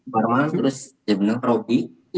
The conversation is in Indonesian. parman terus ibnu robby